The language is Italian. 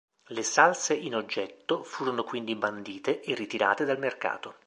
Le salse in oggetto furono quindi bandite e ritirate dal mercato.